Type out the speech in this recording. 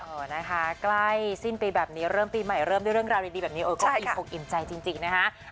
นะคะใกล้สิ้นปีแบบนี้เริ่มปีใหม่เริ่มด้วยเรื่องราวดีแบบนี้โอ้ก็อิ่มอกอิ่มใจจริงนะคะ